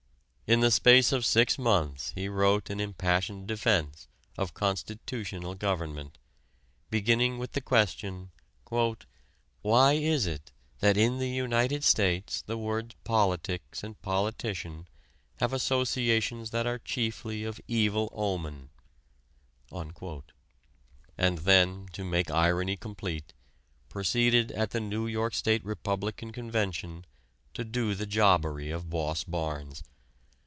In the space of six months he wrote an impassioned defense of "constitutional government," beginning with the question, "Why is it that in the United States the words politics and politician have associations that are chiefly of evil omen," and then, to make irony complete, proceeded at the New York State Republican Convention to do the jobbery of Boss Barnes.